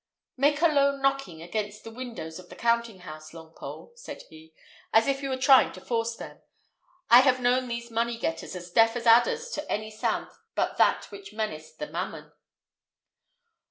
"Make a low knocking against the windows of the counting house, Longpole," said he, "as if you were trying to force them. I have known these money getters as deaf as adders to any sound but that which menaced the mammon."